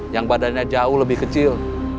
yang badannya jauh lebih kecil